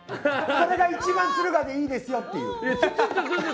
これが一番敦賀でいいですよっていう。